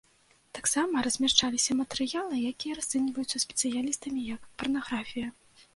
Таксама размяшчаліся матэрыялы, якія расцэньваюцца спецыялістамі як парнаграфія.